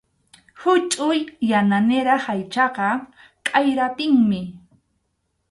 Huchʼuy yananiraq aychaqa k’ayrapinmi.